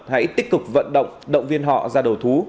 hãy tích cực vận động động viên họ ra đầu thú